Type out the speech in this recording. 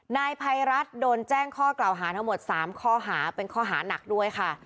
นายภัยรัฐโดนแจ้งข้อกล่าวหาทั้งหมด๓ข้อหาเป็นข้อหานักด้วยค่ะ